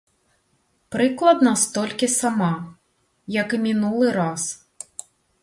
Прыкладна столькі сама, як і мінулы раз.